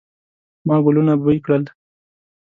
ما ګلونه بوی کړل